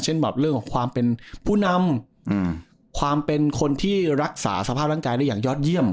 แบบเรื่องของความเป็นผู้นำความเป็นคนที่รักษาสภาพร่างกายได้อย่างยอดเยี่ยม